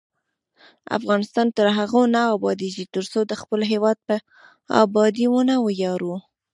افغانستان تر هغو نه ابادیږي، ترڅو د خپل هیواد په ابادۍ ونه ویاړو.